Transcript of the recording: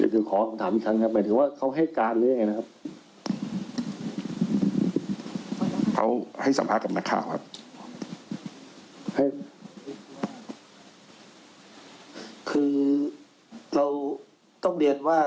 เดี๋ยวคุณขอคำถามอีกครั้งครับหมายถึงว่าเขาให้การเลยอย่างไรนะครับ